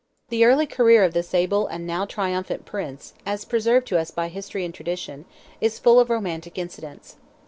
The early career of this able and now triumphant Prince, as preserved to us by history and tradition, is full of romantic incidents.